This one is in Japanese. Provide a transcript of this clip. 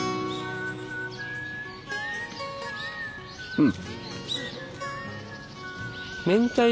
うん。